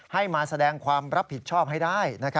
ให้มาแสดงความรับผิดชอบให้ได้